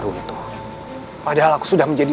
itu padahal aku sudah menjadi